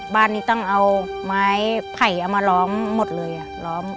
บ้านนี้ต้องเอาไม้ไผ่เอามาล้อมหมดเลยอ่ะล้อม